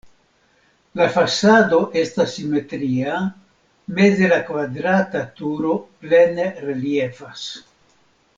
La fasado estas simetria, meze la kvadrata turo plene reliefas.